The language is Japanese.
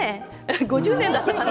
５０年だったかな？